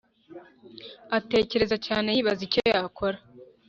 atekereza cyane yibaza icyo yakora